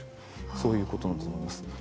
そういうことなんだと思います。